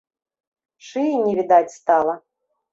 Шыі не відаць стала.